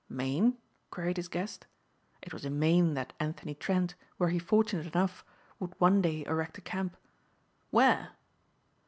"Maine?" queried his guest. It was in Maine that Anthony Trent, were he fortunate enough, would one day erect a camp. "Where?"